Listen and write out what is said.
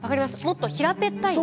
もっと平べったい。